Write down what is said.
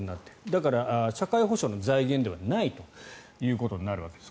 だから、社会保障の財源ではないということになるわけです。